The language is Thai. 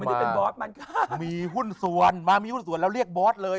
มาจิ๊บแบบมีผู้ส่วนวัพมีส่วนแล้วเรียกบอสเลย